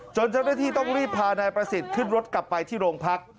เจ้าหน้าที่ต้องรีบพานายประสิทธิ์ขึ้นรถกลับไปที่โรงพัก